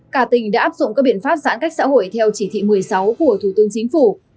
cả tỉnh đã áp dụng các biện pháp giãn cách xã hội theo chỉ thị một mươi sáu của thủ tướng chính phủ